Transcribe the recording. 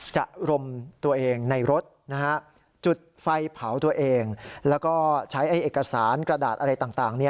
จักรมตัวเองในรถนะฮะจุดไฟเผาตัวเองแล้วก็ใช้ไอ้เอกสารกระดาษอะไรต่างต่างเนี่ย